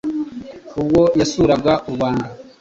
Ubwo yasuraga u Rwanda,